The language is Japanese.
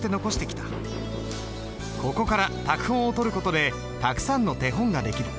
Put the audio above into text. ここから拓本を採る事でたくさんの手本が出来る。